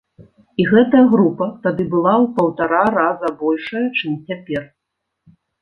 І гэтая група тады была ў паўтара раза большая, чым цяпер.